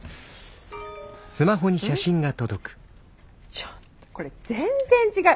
ちょっとこれ全然違う。